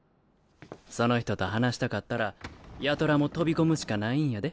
その人と話したかったら八虎も飛び込むしかないんやで。